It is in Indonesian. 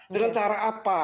dengan cara apa